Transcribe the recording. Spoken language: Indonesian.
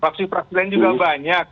fraksi fraksi lain juga banyak